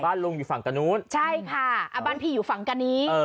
ลุงอยู่ฝั่งตะนู้นใช่ค่ะบ้านพี่อยู่ฝั่งกันนี้